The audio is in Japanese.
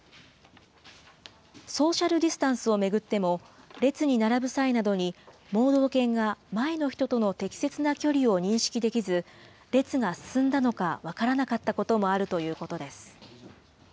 ソーシャルディスタンスを巡っても、列に並ぶ際などに、盲導犬が前の人との適切な距離を認識できず、列が進んだのが分からなかったこともあるということです。